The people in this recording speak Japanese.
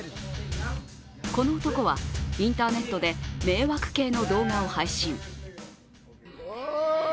この男は、インターネットで迷惑系の動画を配信。